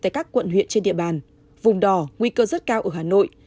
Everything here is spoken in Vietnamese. tại các quận huyện trên địa bàn vùng đỏ nguy cơ rất cao ở hà nội